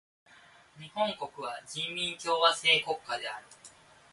日本国は人民共和制国家である。